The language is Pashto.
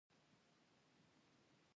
ورپسې څلورنۍ بیا پینځنۍ او بیا جمعه